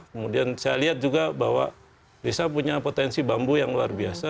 kemudian saya lihat juga bahwa desa punya potensi bambu yang luar biasa